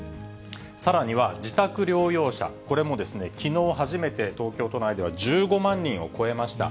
さらには自宅療養者、これもきのう初めて東京都内では１５万人を超えました。